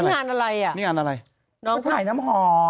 งานอะไรอ่ะนี่งานอะไรน้องถ่ายน้ำหอม